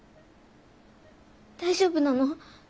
大丈夫なの？